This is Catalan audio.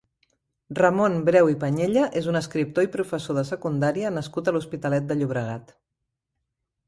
Ramon Breu i Pañella és un escriptor i professor de secundària nascut a l'Hospitalet de Llobregat.